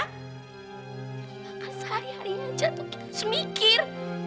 makan sehari hari aja tuh kita semikir